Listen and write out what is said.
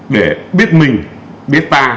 để biết mình biết ta